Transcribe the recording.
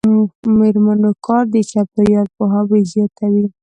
د میرمنو کار د چاپیریال پوهاوي زیاتوي.